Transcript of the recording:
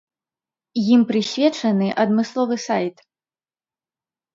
Ім прысвечаны адмысловы сайт.